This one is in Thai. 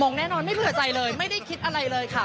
งแน่นอนไม่เผื่อใจเลยไม่ได้คิดอะไรเลยค่ะ